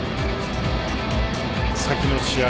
先の試合